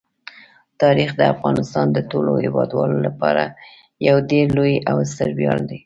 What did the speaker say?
تاریخ د افغانستان د ټولو هیوادوالو لپاره یو ډېر لوی او ستر ویاړ دی.